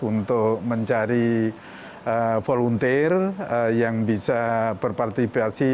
untuk mencari volunteer yang bisa berpartisipasi